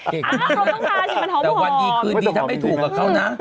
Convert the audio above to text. เขาต้องพาชิบแมนธอมห่อมนะแต่วันนี้คือทำไม่ถูกกับเขานะ